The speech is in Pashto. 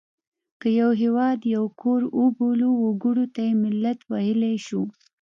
که یو هېواد یو کور وبولو وګړو ته یې ملت ویلای شو.